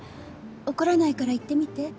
怒らないから言ってみて。